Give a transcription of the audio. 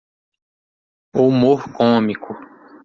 O humor cômico.